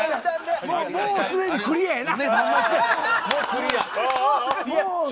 もうすでにクリアやな。